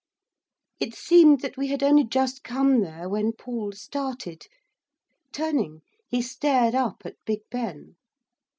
It seemed that we had only just come there when Paul started. Turning, he stared up at Big Ben.